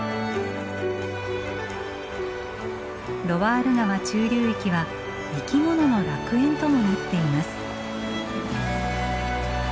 ロワール川中流域は生き物の楽園ともなっています。